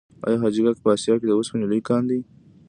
آیا حاجي ګک په اسیا کې د وسپنې لوی کان دی؟